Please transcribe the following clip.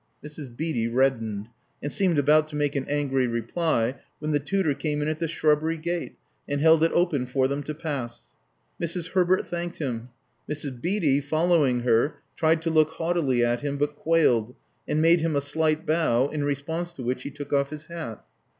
Mrs. Beatty reddened, and seemed about to make an angry reply, when the tutor came in at the shrub bery gate, and held it open for them to pass. Mrs. Herbert thanked him. Mrs. Beatty, following her, tried to look haughtily at him, but quailed, and made him a slight bow, in response to which he took off his hat.